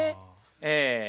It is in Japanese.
ええ。